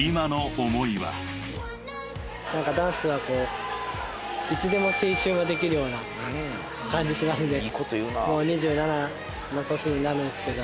何かダンスはいつでも青春ができるような感じしますね。